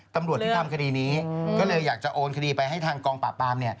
ตำรวจที่ทำคดีนี้ก็เลยอยากจะโอนคดีไปให้ทางกองปราบปราม